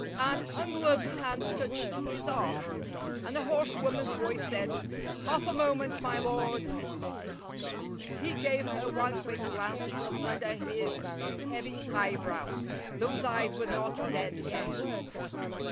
An ungloved hand touched his arm, and a hoarse woman's voice said, "Half a moment, my lord." He gave her one quick glance from under his heavy eyebrows. Those eyes were not dead yet.